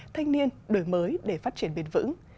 thanh niên đổi mới để phát triển biệt vững